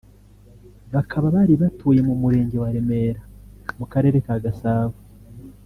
bakaba bari batuye mu Murenge wa Remera mu Karere ka Gasabo